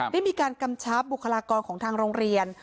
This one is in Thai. ได้มีการกำชับบุคลากรของทางโรงเรียน